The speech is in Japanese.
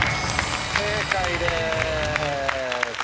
正解です。